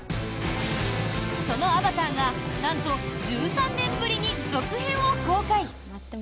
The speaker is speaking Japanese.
その「アバター」がなんと１３年ぶりに続編を公開。